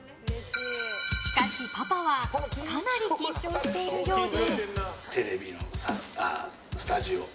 しかし、パパはかなり緊張しているようで。